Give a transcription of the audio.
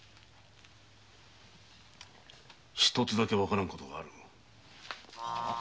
一つだけわからぬことがある。